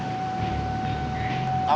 mereka siap tukung buat